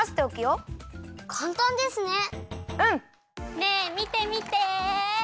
うん！ねえみてみて！